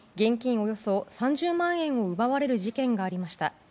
およそ３０万円を奪われる事件がありました。